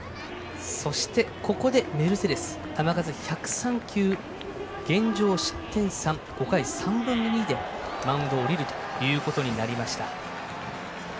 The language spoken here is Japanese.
そして、ここでメルセデス球数１０３球現状失点３５回、３分の２でマウンドを降りることになりました。